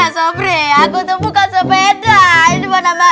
sobrer aku tuh bukan sepeda